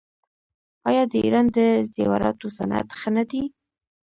آیا د ایران د زیوراتو صنعت ښه نه دی؟